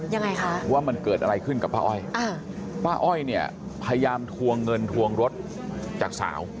ยังไงคะว่ามันเกิดอะไรขึ้นกับป้าอ้อยอ่าป้าอ้อยเนี่ยพยายามทวงเงินทวงรถจากสาว